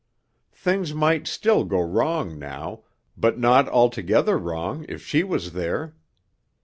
Things might still go wrong now, but not altogether wrong if she was there.